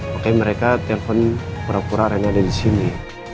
pokoknya mereka telpon kura kura rena ada di sini